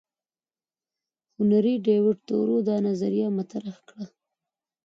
هنري ډیویډ تورو دا نظریه مطرح کړه.